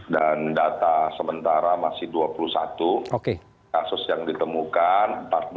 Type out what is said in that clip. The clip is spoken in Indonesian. dan data sementara masih dua puluh satu kasus yang ditemukan